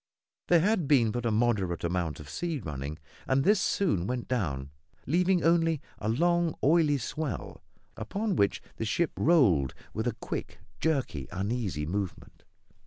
There had been but a moderate amount of sea running, and this soon went down, leaving only a long, oily swell, upon which the ship rolled with a quick, jerky, uneasy movement.